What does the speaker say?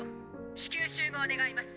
至急集合願います！